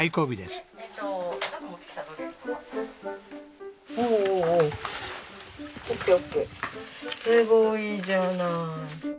すごいじゃない。